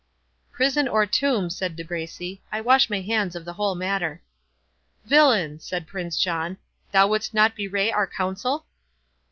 "Prison or tomb," said De Bracy, "I wash my hands of the whole matter." "Villain!" said Prince John, "thou wouldst not bewray our counsel?"